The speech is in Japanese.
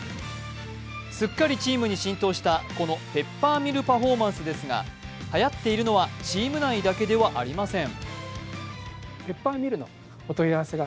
すっかりチームに浸透したこのペッパーミルパフォーマンスですがはやっているのはチーム内だけではありません。